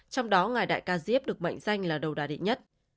trong đó ngài đại ca diếp được mệnh danh là đầu đà địa nhất